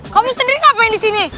kamu sendiri ngapain di sini